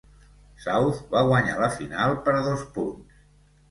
South va guanyar la final per dos punts.